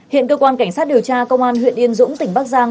hiện cơ quan cảnh sát điều tra công an huyện yên dũng tỉnh bắc giang